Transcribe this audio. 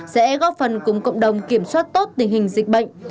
sẽ góp phần cùng cộng đồng kiểm soát tốt tình hình dịch bệnh